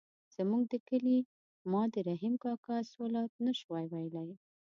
زموږ د کلي ماد رحیم کاکا الصلواة نه شوای ویلای.